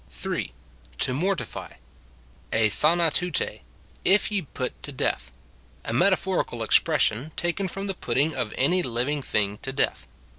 (3.) Ho mortify. Ei SavaTouTs. —" If ye put to death ;" a metaphorical expression, taken from the putting of any living thing to death.